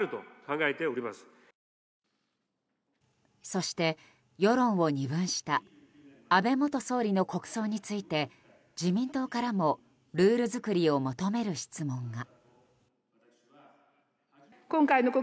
そして、世論を二分した安倍元総理の国葬について自民党からもルール作りを求める質問が。